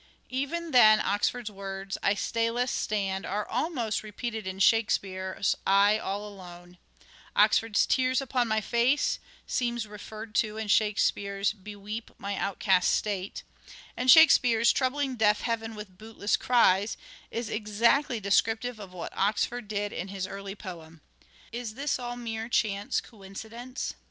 Even then Oxford's words, " I stayless stand " are almost re peated in Shakespeare's "I all alone "; Oxford's " Tears upon my face " seems referred to in Shake speare's " Beweep my outcast state "; and Shake speare's " Troubling deaf heaven with bootless cries," is exactly descriptive of what Oxford did in his early poem. Is this all mere chance coincidence